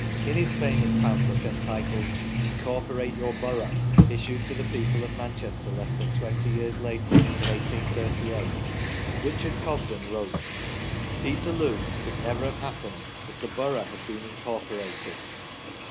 In his famous pamphlet entitled " Incorporate your Borough," issued to the people of Manchester less than twenty years later, in 1838, Richard Cobden wrote :" Peterloo could never have happened if the Borough had been incorporated.